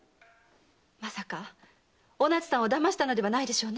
まさかお奈津さんを騙したのではないでしょうね